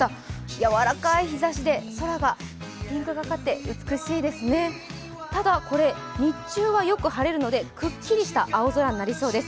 やわらかい日ざしで空がピンクがかって美しいですねただ、これ日中はよく晴れるのでくっきりした青空になりそうです。